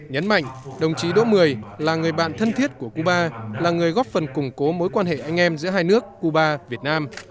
nhấn mạnh đồng chí đỗ mười là người bạn thân thiết của cuba là người góp phần củng cố mối quan hệ anh em giữa hai nước cuba việt nam